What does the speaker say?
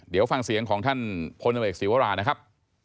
เดี๋ยวฟังเสียงของท่านพอศิวรานะครับ